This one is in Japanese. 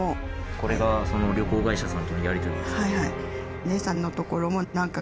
これがその旅行会社さんとのやり取りですか。